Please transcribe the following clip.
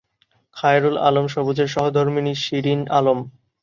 খায়রুল আলম সবুজের সহধর্মিণী শিরীন আলম।